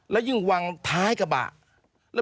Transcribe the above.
แล้วยิ่งวางท้ายกระบะ